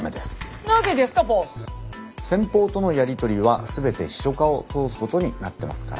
先方とのやり取りは全て秘書課を通すことになってますから。